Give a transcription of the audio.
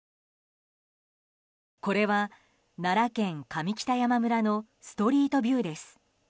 これは奈良県上北山村のストリートビューです。